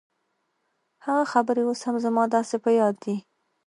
هغه خبرې اوس هم زما داسې په ياد دي.